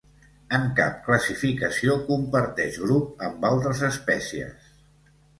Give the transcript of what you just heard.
En cap classificació comparteix grup amb altres espècies.